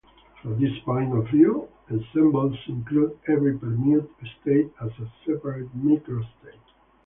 From this point of view, ensembles include every permuted state as a separate microstate.